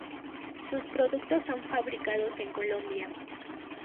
Sus productos son fabricados en Colombia.